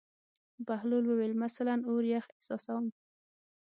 بهلول وویل: مثلاً اور یخ احساسوم.